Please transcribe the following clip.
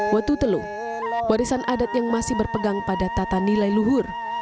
watu teluk warisan adat yang masih berpegang pada tata nilai luhur